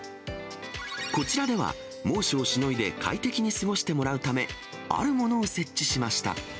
こちらでは、猛暑をしのいで快適に過ごしてもらうため、あるものを設置しまし